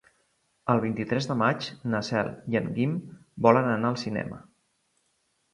El vint-i-tres de maig na Cel i en Guim volen anar al cinema.